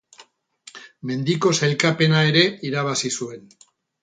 Mendiko sailkapena ere irabazi zuen.